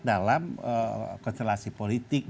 dalam konstelasi politik